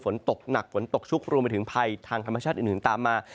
ฝนตกหนักฝนตกชุกรวมไปถึงภัยทางธรรมชาติอื่นตามมา